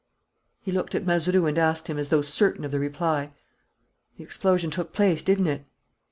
He looked at Mazeroux and asked him, as though certain of the reply: "The explosion took place, didn't it?"